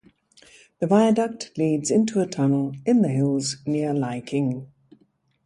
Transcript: The viaduct leads into a tunnel in the hills near Lai King.